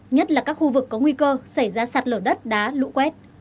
nhất là các khu vực có nguy cơ xảy ra sạt lở đất đá lũ quét